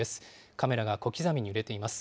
カメラが小刻みに揺れています。